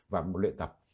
và một luyện tập